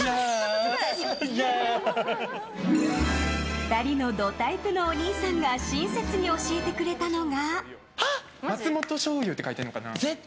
２人のドタイプのお兄さんが親切に教えてくれたのが。